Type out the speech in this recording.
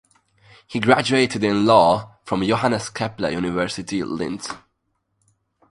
He graduated in Law from Johannes Kepler University Linz.